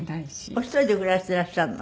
お一人で暮らしてらっしゃるの？